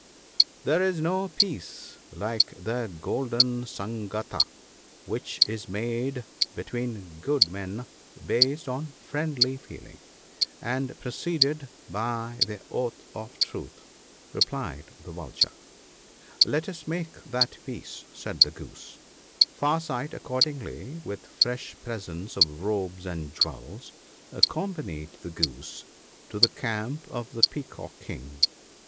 ' 1 There is no Peace like the Golden " Sangata," which is made between good men, based on friendly feeling, and preceded by the Oath of Truth,' replied the Vulture. ' Let us make that Peace !' said the Goose. Far sight accordingly, with fresh presents of robes and jewels, accompanied the Goose to the camp of the Peacock King.